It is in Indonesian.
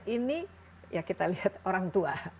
ini ya kita lihat orang tua